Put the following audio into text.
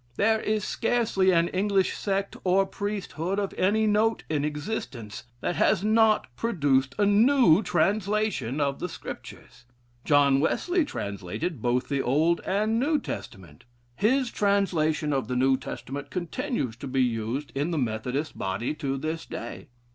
There is scarcely an English sect or priesthood of any note in existence that has not produced a new translation of the Scriptures. John Wesley translated both the Old and New Testament. His translation of the New Testament continues to be used in the Methodist body to this day.